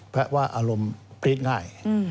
แปลว่าอารมณ์พริษง่าย